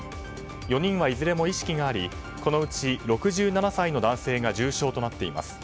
４人はいずれも意識がありこのうち、６７歳の男性が重傷となっています。